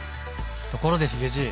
ところでヒゲじい。